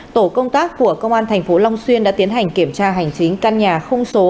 tổ công tác của công an thành phố long xuyên đã tiến hành kiểm tra hành chính căn nhà không số